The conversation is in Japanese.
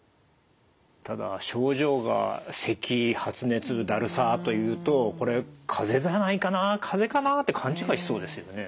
ただ症状がせき発熱だるさというとこれかぜじゃないかなかぜかなって勘違いしそうですよね。